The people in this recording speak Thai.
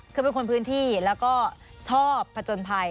คือเป็นคนพื้นที่แล้วก็ชอบผจญภัย